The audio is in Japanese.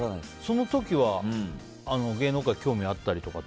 その時は芸能界に興味あったの？